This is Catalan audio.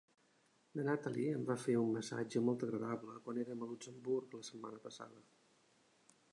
La Natalie em va fer un massatge molt agradable quan érem a Luxemburg la setmana passada.